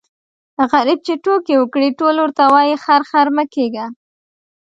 غريب چي ټوکه وکړي ټول ورته وايي خر خر مه کېږه.